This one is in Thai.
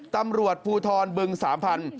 ตำรวจภูทรบึงสามพันธุ